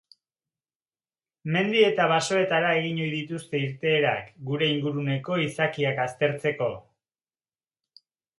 Mendi eta basoetara egin ohi dituzte irteerak, gure inguruneko izakiak aztertzeko.